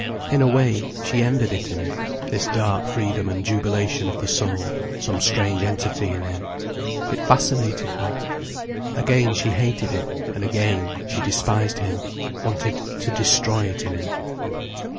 In a way, she envied it him, this dark freedom and jubilation of the soul, some strange entity in him. It fascinated her. Again she hated it. And again, she despised him, wanted to destroy it in him.